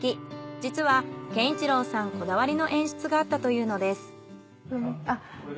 実は健一郎さんこだわりの演出があったというのです。